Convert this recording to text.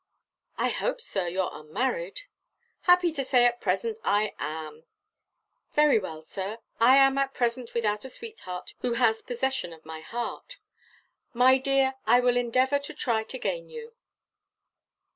"I hope, Sir, you're unmarried?" "Happy to say at present I am!" "Very well, Sir, I am at present without a sweetheart who has possession of my heart." "My dear, I will endeavour to try to gain you."